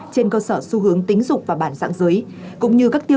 trên cơ sở xu hướng tính dục và bản dạng giới